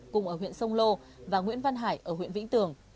cùng ở huyện sông lô và nguyễn văn hải ở huyện vĩnh tường